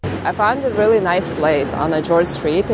saya menemukan tempat yang sangat bagus di george street